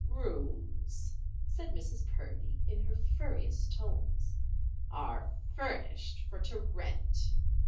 "Rooms," said Mrs. Purdy, in her furriest tones, "are furnished for to rent.